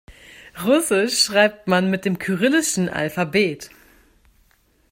Russisch schreibt man mit dem kyrillischen Alphabet.